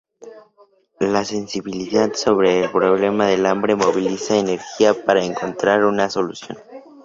La sensibilización sobre el problema del hambre moviliza energía para encontrar una solución.